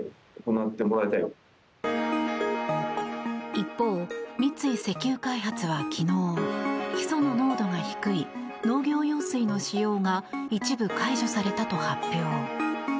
一方、三井石油開発は昨日ヒ素の濃度が低い農業用水の使用が一部、解除されたと発表。